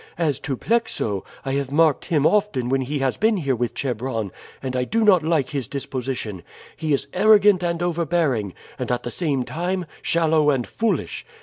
As to Plexo, I have marked him often when he has been here with Chebron, and I do not like his disposition. He is arrogant and overbearing, and, at the same time, shallow and foolish.